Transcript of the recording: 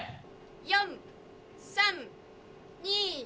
４３２１。